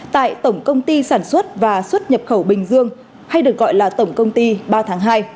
tại tổng công ty sản xuất và xuất nhập khẩu bình dương hay được gọi là tổng công ty ba tháng hai